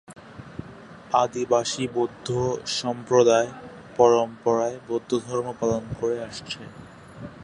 আদিবাসী বৌদ্ধ সম্প্রদায় পরম্পরায় বৌদ্ধধর্ম পালন করে আসছে।